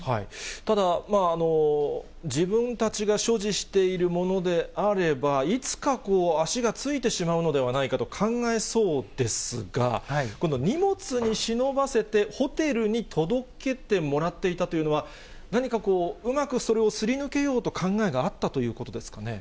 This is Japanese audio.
ただ、自分たちが所持しているものであれば、いつかこう、足がついてしまうのではないかと考えそうですが、この荷物に忍ばせて、ホテルに届けてもらっていたというのは、何かこう、うまく、それをすり抜けようという考えがあったということですかね。